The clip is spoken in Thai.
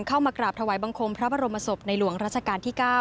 เข้ามากราบถวายบังคมพระบรมศพในหลวงราชการที่๙